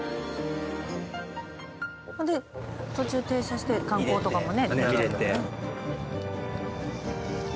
で途中停車して観光とかもね。